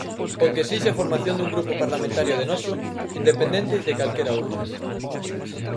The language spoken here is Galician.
O que esixe a formación dun grupo parlamentario de noso, independente de calquera outro.